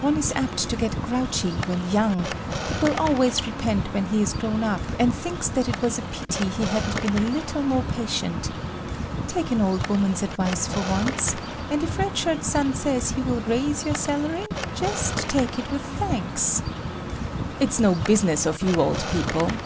One is apt to get grouchy when young, but will always repent when he is grown up and thinks that it was pity he hadn't been a little more patient. Take an old woman's advice for once, and if Red Shirt san says he will raise your salary, just take it with thanks." "It's none of business of you old people."